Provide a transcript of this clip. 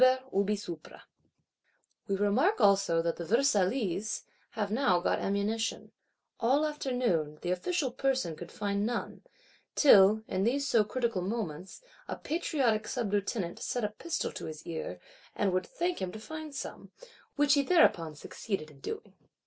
We remark also that the Versaillese have now got ammunition: all afternoon, the official Person could find none; till, in these so critical moments, a patriotic Sublieutenant set a pistol to his ear, and would thank him to find some,—which he thereupon succeeded in doing.